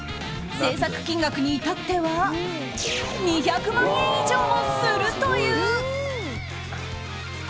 制作金額に至っては２００万円以上もするという。